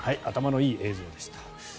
頭のいい映像でした。